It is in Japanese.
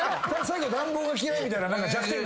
最後暖房が嫌いみたいな弱点。